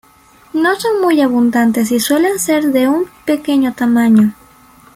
No son muy abundantes y suelen ser de pequeño tamaño.